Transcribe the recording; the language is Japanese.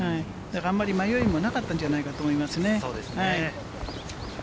あんまり迷いもなかったんじゃないかと思いますね。